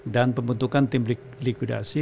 dan pembentukan tim likudasi